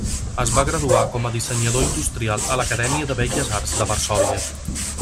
Es va graduar com a dissenyador industrial a l'Acadèmia de Belles Arts de Varsòvia.